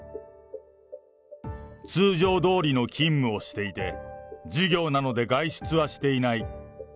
通常どおりの勤務をしていて、授業なので外出はしていない。